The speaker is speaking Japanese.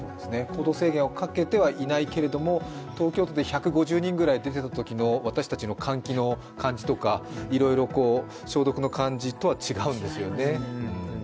行動制限をかけてはいないけれども、東京都で１５０人ぐらい出てたときの私たちの換気の感じとかいろいろ、消毒の感じとは違うんですよね。